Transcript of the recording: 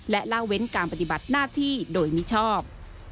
และละเว้นการปฏิบัติหน้าที่โดยมิชอบ